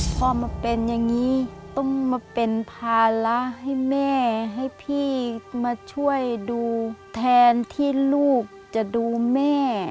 พอมาเป็นอย่างนี้ต้องมาเป็นภาระให้แม่ให้พี่มาช่วยดูแทนที่ลูกจะดูแม่